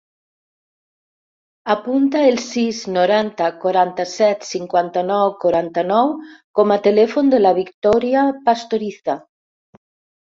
Apunta el sis, noranta, quaranta-set, cinquanta-nou, quaranta-nou com a telèfon de la Victòria Pastoriza.